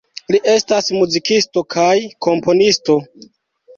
Li estas muzikisto kaj komponisto.